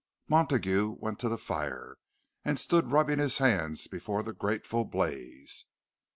Montague went to the fire, and stood rubbing his hands before the grateful blaze.